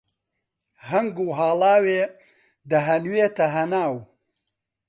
هەنگ و هاڵاوێ دەهەنوێتە هەناو